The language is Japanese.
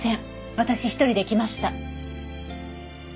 私一人で来ました。